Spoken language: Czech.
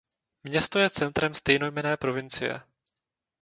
Město je centrem stejnojmenné provincie.